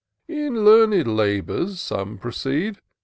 In learned labours some proceed.